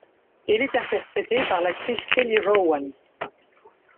Elle est interprétée par l'actrice Kelly Rowan.